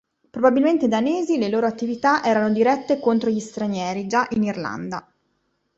Probabilmente danesi, le loro attività erano dirette contro gli "Stranieri" già in Irlanda.